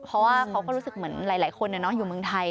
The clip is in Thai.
เพราะว่าเขาก็รู้สึกเหมือนหลายคนอยู่เมืองไทย